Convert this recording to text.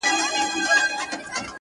د همت ږغ مو په کل جهان کي خپور وو!!